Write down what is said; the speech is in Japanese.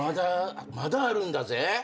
まだあるんだぜ。